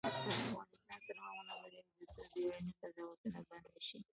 افغانستان تر هغو نه ابادیږي، ترڅو بیړني قضاوتونه بند نشي.